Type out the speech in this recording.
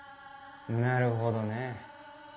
なるほどね。